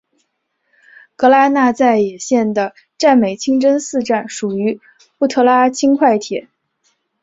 格拉那再也线的占美清真寺站属于布特拉轻快铁。